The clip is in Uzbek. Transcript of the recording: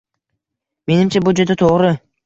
Menimcha, bu juda to'g'ri